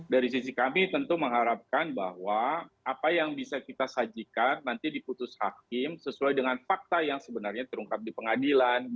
dari sisi kami tentu mengharapkan bahwa apa yang bisa kita sajikan nanti diputus hakim sesuai dengan fakta yang sebenarnya terungkap di pengadilan